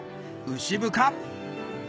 牛深